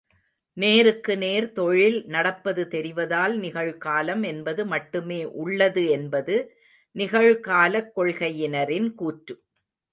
நேருக்கு நேர் தொழில் நடப்பது தெரிவதால் நிகழ்காலம் என்பது மட்டுமே உள்ளது என்பது நிகழ்காலக் கொள்கையினரின் கூற்று.